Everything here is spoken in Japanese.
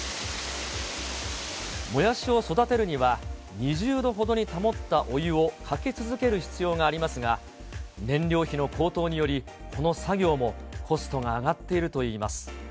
もやしを育てるには、２０度ほどに保ったお湯をかけ続ける必要がありますが、燃料費の高騰により、この作業もコストが上がっているといいます。